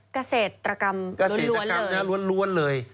เกษตรกรรมล้วนเลย